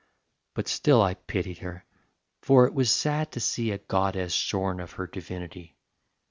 But still I pitied her; for it was sad to see A goddess shorn of her divinity.